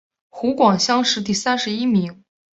湖广乡试第三十一名。